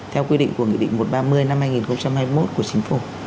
theo quy định của nghị định một trăm ba mươi năm hai nghìn hai mươi một của chính phủ